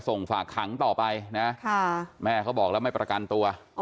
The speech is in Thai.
ส่งฝากขังต่อไปนะแม่เขาบอกแล้วไม่ประกันตัว